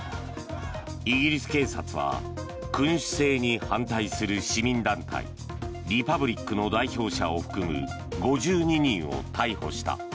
イギリス警察は君主制に反対する市民団体、リパブリックの代表者を含む５２人を逮捕した。